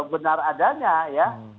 benar adanya ya